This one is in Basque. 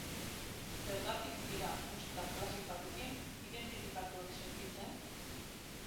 Zergatik ez dira musika klasikoarekin identifikatuak sentitzen?